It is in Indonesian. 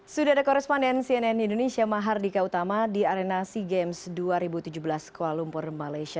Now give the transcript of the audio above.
sudah ada koresponden cnn indonesia mahardika utama di arena sea games dua ribu tujuh belas kuala lumpur malaysia